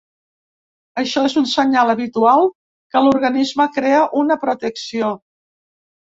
Això és un senyal habitual que l’organisme crea una protecció.